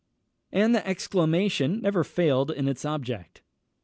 _ and the exclamation never failed in its object.